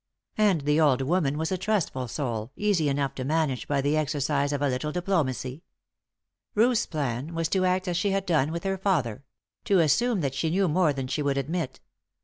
And the old woman was a trustful soul, easy enough to manage by the exercise of a little diplomacy. Ruth's plan was to act as she had done with her father to assume that she knew more than she would admit.